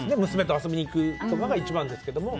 娘と遊びに行くとかが一番ですけど。